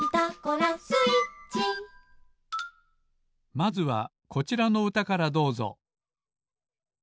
まずはこちらのうたからどうぞ。